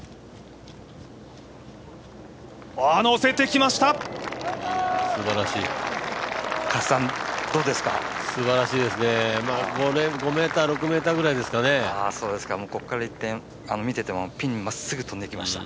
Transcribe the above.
乗せてきました！